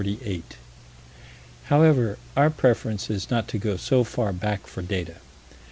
However, our preference is not to go so far back for data.